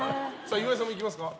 岩井さんもいきますか。